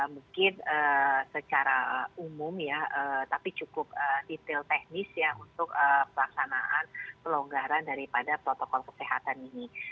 mungkin secara umum ya tapi cukup detail teknis ya untuk pelaksanaan pelonggaran daripada protokol kesehatan ini